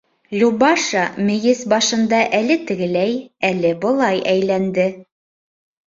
Любаша мейес башында әле тегеләй, әле былай әйләнде.